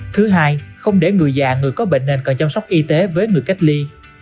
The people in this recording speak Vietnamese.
thứ hai không để người già người có bệnh nên còn chăm sóc y tế với người cách ly